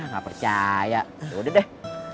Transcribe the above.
gak percaya udah deh